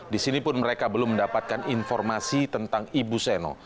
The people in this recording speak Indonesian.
di sini pun mereka belum mendapatkan informasi tentang ibu seno